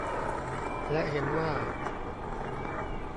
และเห็นว่า